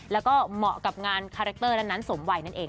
แล้วก็เหมาะกับงานคาแรคเตอร์นั้นสมวัยนั่นเอง